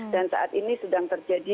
saat ini sedang terjadi